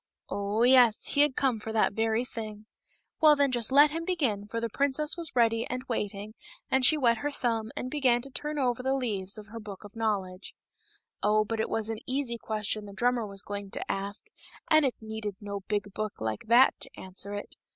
Oh, yes, he had come for that very thing. Very well, then, just let him begin, for the princess was ready and waiting, and she wet her thumb, and began to turn over the leaves of her Book of Knowledge. Oh, it was an easy question the drummer was going to ask, and it needed no big book like that to answer it.